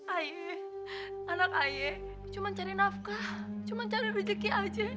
ayah anak ayek cuma cari nafkah cuma cari rezeki aja